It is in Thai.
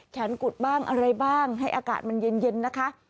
กุดบ้างอะไรบ้างให้อากาศมันเย็นนะคะ